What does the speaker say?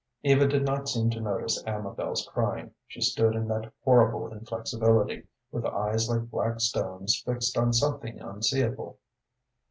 Eva did not seem to notice Amabel's crying. She stood in that horrible inflexibility, with eyes like black stones fixed on something unseeable.